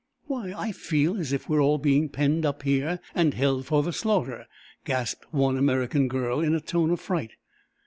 "Why, I feel as if we were all being penned up here and held for the slaughter," gasped one American girl, in a tone of fright.